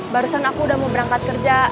barusan aku udah mau berangkat kerja